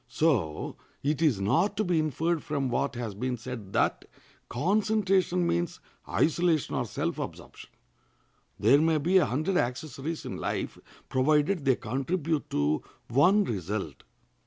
So it is not to be inferred from what has been said that concentration means isolation or self absorption. There may be a hundred accessories in life, provided they contribute to one result.